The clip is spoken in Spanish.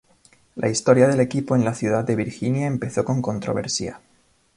La historia del equipo en la ciudad de Virginia empezó con controversia.